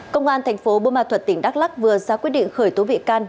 công an tp bơ ma thuật tỉnh đắk lắc vừa ra quyết định khởi tố vị can